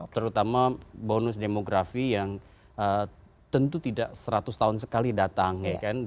terutama bonus demografi yang tentu tidak seratus tahun sekali datang ya kan